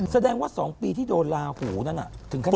แสดงว่า๒ปีที่โดนลาหูนั้นถึงขนาด